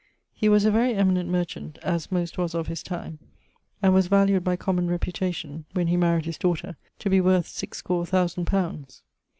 He was a very eminent merchant, as most was of his time; and was valued by common reputation (when he maried his daughter) to be worth sixscore thousand pounds.